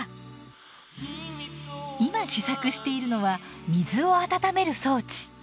今試作しているのは水を温める装置。